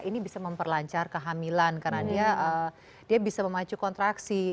ini bisa memperlancar kehamilan karena dia bisa memacu kontraksi